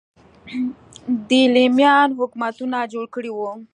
دیلمیان حکومتونه جوړ کړي وو